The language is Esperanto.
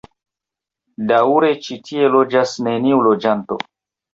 Daŭre ĉi tie loĝas neniu loĝanto.